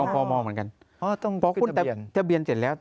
เพราะคุณทะเบียนเสร็จแล้ว